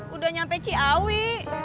udah nyampe ciawi